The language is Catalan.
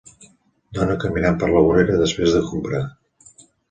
Dona caminant per la vorera després de comprar